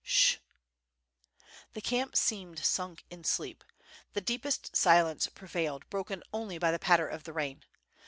"Sh!" The camp seemed sunk in sleep; the deepest silence pre vailed, broken only by the patter of the rain.